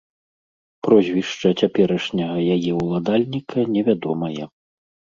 Прозвішча цяперашняга яе ўладальніка невядомае.